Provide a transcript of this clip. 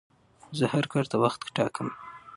زه هر کار ته وخت ټاکم.